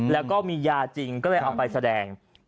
แล้วก็มียาจริงก็เลยเอาไปแสดง